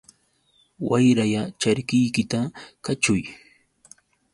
Wayralla charkiykita kaćhuy.